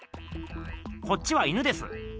こっちは犬です。